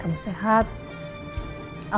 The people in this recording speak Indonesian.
kamu selalu berharga